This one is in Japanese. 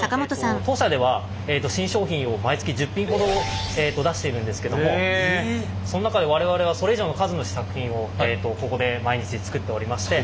当社では新商品を毎月１０品ほど出しているんですけどもその中で我々はそれ以上の数の試作品をここで毎日作っておりまして。